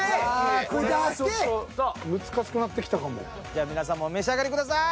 じゃ皆さんもお召し上がりください。